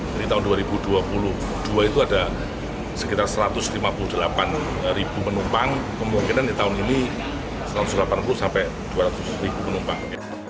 tahun dua ribu dua puluh dua itu ada sekitar satu ratus lima puluh delapan penumpang kemungkinan di tahun ini satu ratus delapan puluh sampai dua ratus ribu penumpang